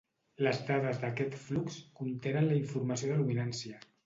Les dades d'aquest flux contenen la informació de luminància.